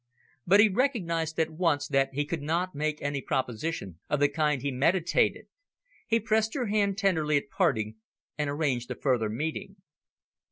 But he recognised at once that he could not make any proposition of the kind he meditated. He pressed her hand tenderly at parting, and arranged a further meeting.